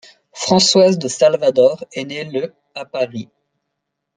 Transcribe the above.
Françoise de Salvador est née le à Paris.